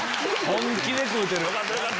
本気で食うてる。